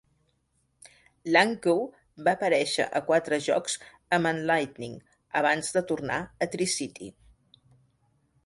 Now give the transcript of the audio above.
Langkow va aparèixer a quatre jocs amb en Lightning abans de tornar a Tri-City.